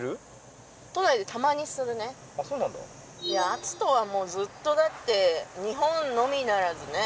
いや篤人はもうずっとだって日本のみならずね。